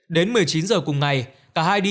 đến một mươi chín giờ cùng ngày cả hai đi nhậu